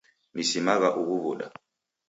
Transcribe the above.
Nisimagha ughu w'uda.